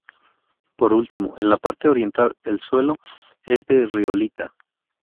Por último, en la parte oriental, el suelo es de riolita.